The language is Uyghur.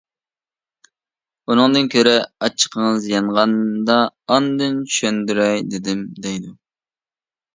ئۇنىڭدىن كۆرە ئاچچىقىڭىز يانغاندا ئاندىن چۈشەندۈرەي دېدىم دەيدۇ.